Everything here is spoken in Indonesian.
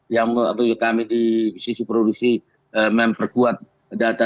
yang kami di sisi produksi memperkuat data